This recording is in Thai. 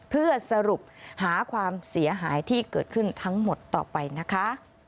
เพื่อสรุปหาความเสียหายที่เกิดขึ้นทั้งหมดต่อไปนะคะ